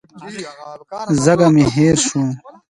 ځکه مي هېر شو .